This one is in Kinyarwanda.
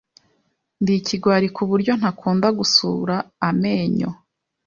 Ndi ikigwari kuburyo ntakunda gusura amenyo.